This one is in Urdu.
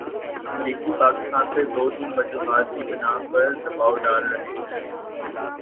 امریکی پاکستان پر دو تین وجوہات کی بنا پر دبائو ڈال رہے ہیں۔